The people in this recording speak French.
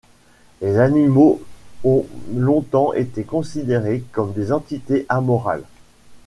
Les animaux ont longtemps été considérés comme des entités amorales.